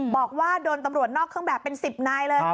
บอกว่าโดนตำรวจนอกเครื่องแบบเป็น๑๐นายเลย